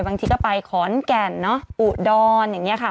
บางทีก็ไปขอนแก่นเนอะอุดรอย่างนี้ค่ะ